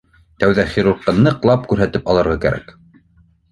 — Тәүҙә хирургҡа ныҡлап күрһәтеп алырға кәрәк